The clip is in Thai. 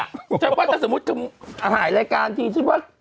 แต่งว่าแต่สมมุติถึงอเวทยาลัยการที่ฉันว่า